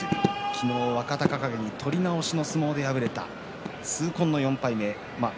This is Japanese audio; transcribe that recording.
昨日、若隆景に取り直しの相撲で敗れた痛恨の４敗目。